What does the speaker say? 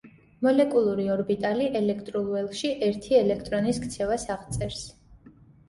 მოლეკულური ორბიტალი ელექტრულ ველში ერთი ელექტრონის ქცევას აღწერს.